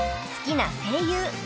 好きな声優］